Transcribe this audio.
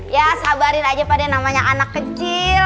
ya sabarin aja pak de namanya anak kecil